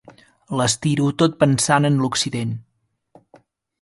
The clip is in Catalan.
L'estiro tot pensant en l'occident.